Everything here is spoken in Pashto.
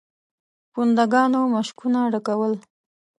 پونده ګانو مشکونه ډکول.